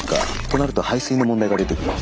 となると排水の問題が出てくる。